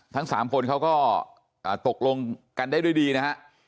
ทั้ง๓คนเขาก็ตกลงกันได้ด้วยดีนะฮะ